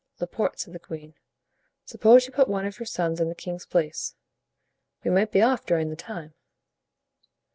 "Laporte," said the queen, "suppose you put one of your sons in the king's place; we might be off during the time."